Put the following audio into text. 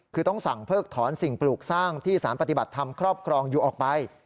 คือต้องสั่งเพิกถอนสิ่งปลูกสร้างที่สารปฏิบัติธรรมครอบครองอยู่ออกไป